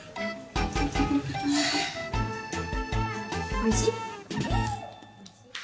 おいしい？